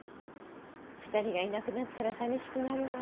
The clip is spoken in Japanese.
２人がいなくなったらさみしくなるわ。